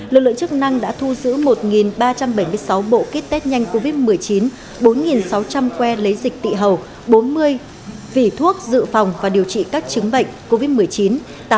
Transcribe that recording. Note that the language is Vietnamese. lực lượng chức năng đã thu giữ một ba trăm bảy mươi sáu bộ kit test nhanh covid một mươi chín bốn sáu trăm linh que lấy dịch tị hầu bốn mươi vỉ thuốc dự phòng và điều trị các chứng bệnh covid một mươi chín